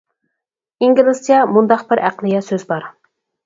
ئىنگلىزچە مۇنداق بىر ئەقلىيە سۆز بار.